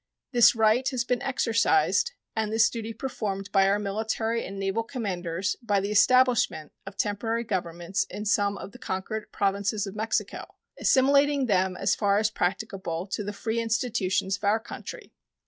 This right has been exercised and this duty performed by our military and naval commanders by the establishment of temporary governments in some of the conquered Provinces of Mexico, assimilating them as far as practicable to the free institutions of our own country.